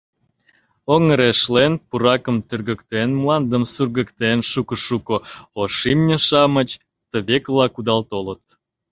Оҥырешлен, пуракым тӱргыктен, мландым сургыктен, шуко-шуко ош имне-шамыч тывекыла кудал толыт.